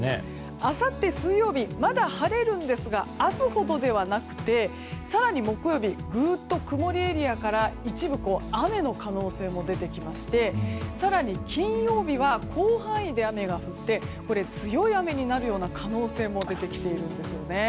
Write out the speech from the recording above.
あさって水曜日まだ晴れるんですが明日ほどではなくて更に木曜日はぐっと曇りエリアから一部雨の可能性も出てきまして、更に金曜日は広範囲で雨が降って強い雨になるような可能性も出てきているんですよね。